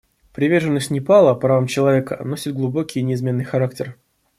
Приверженность Непала правам человека носит глубокий и неизменный характер.